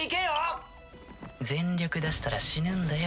ピピッ全力出したら死ぬんだよ